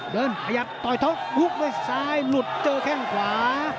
เดินขยับต่อยเทาะหุบไปซ้ายหลุดเจอแค่งขวา